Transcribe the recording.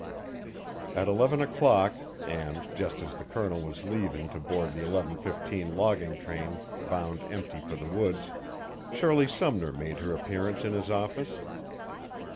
At eleven o'clock, and just as the Colonel was leaving to board the eleven fifteen logging train bound empty for the woods, Shirley Sumner made her appearance in his office.